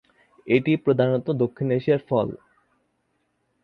এটি প্রধানত দক্ষিণ এশিয়ার ফল।